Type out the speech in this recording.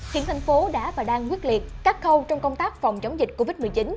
hiện thành phố đã và đang quyết liệt các khâu trong công tác phòng chống dịch covid một mươi chín